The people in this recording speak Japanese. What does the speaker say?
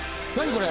これ。